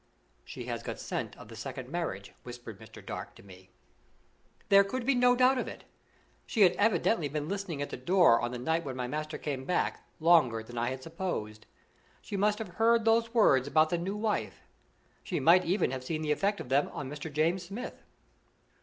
"She has got scent of the second marriage," whispered Mr. Dark to me. There could be no doubt of it. She had evidently been listening at the door on the night when my master came back longer than I had supposed. She must have heard those words about "the new wife" she might even have seen the effect of them on Mr. James Smith.